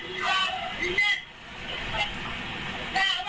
ไปฟังความจากเพื่อนบ้านบอกว่า